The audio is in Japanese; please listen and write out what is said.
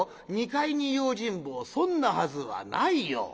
２階に用心棒そんなはずはないよ！